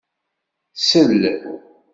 Sel!